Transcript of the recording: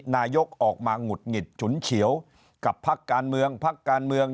นายกออกมาหงุดหงิดฉุนเฉียวกับพักการเมืองพักการเมือง